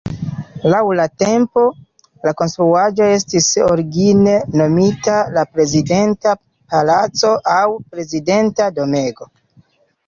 Laŭ la tempo, la konstruaĵo estis origine nomita la Prezidenta Palaco aŭ Prezidenta Domego.